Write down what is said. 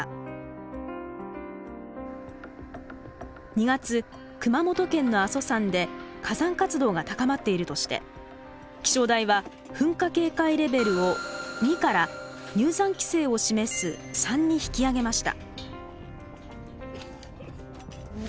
２月熊本県の阿蘇山で火山活動が高まっているとして気象台は噴火警戒レベルを２から入山規制を示す３に引き上げました。